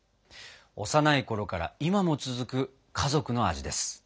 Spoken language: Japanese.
幼いころから今も続く家族の味です。